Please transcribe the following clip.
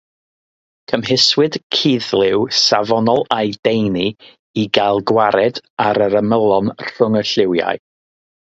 Cymhwyswyd cuddliw safonol a'i daenu i gael gwared ar yr ymylon rhwng y lliwiau.